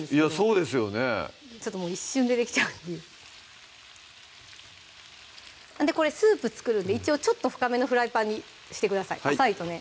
そうですよねちょっともう一瞬でできちゃうんでこれスープ作るんで一応ちょっと深めのフライパンにしてください浅いとね